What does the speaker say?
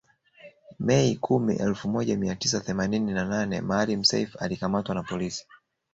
Mei kumi elfu moja mia tisa themanini na nane Maalim Self alikamatwa na polisi